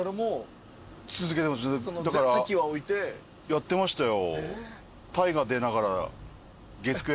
やってましたよ。